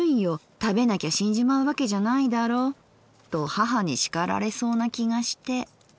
食べなきゃ死んじまう訳じゃないだろう』と母に叱られそうな気がして。